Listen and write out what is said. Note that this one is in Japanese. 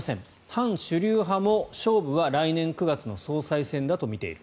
反主流派も勝負は来年９月の総裁選だとみている。